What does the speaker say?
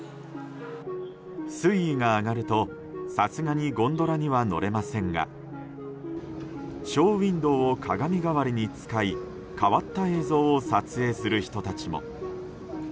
水位が上がるとさすがにゴンドラには乗れませんがショーウィンド−を鏡代わりに使い変わった映像を撮影する人たちも。